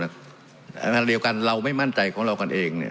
ขณะเดียวกันเราไม่มั่นใจของเรากันเอง